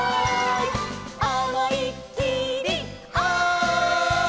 「思いっきりおい！」